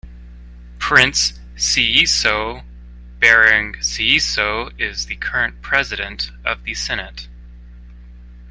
Prince Seeiso Bereng Seeiso is the current president of the Senate.